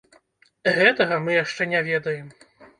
Гэтага мы яшчэ не ведаем.